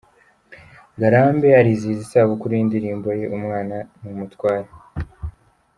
Ngarambe arizihiza isabukuru y’indirimbo ye Umwana ni Umutware